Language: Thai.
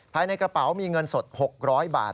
ภายในกระเป๋ามีเงินสด๖๐๐บาท